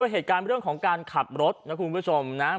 มีเหตุการณ์เรื่องของการขับรถหลังคราวคุณผู้ชมนะ